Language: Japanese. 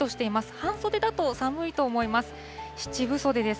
半袖だと寒いと思います。